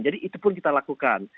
jadi itu pun kita lakukan